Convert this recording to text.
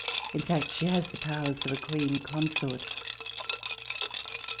In fact, she has the powers of a Queen Consort.